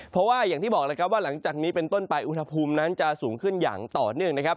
เพราะว่าอย่างที่บอกแล้วครับว่าหลังจากนี้เป็นต้นไปอุณหภูมินั้นจะสูงขึ้นอย่างต่อเนื่องนะครับ